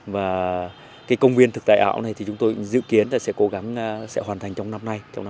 và công viên thực tại ảo này chúng tôi dự kiến sẽ cố gắng hoàn thành trong năm hai nghìn một mươi bảy